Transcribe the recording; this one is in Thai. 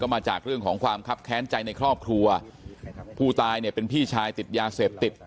มาจากเรื่องของความคับแค้นใจในครอบครัวผู้ตายเนี่ยเป็นพี่ชายติดยาเสพติด